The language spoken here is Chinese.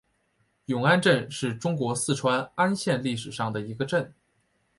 永安镇是中国四川安县历史上的一个镇。